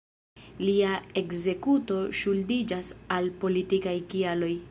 Lia ekzekuto ŝuldiĝas al politikaj kialoj.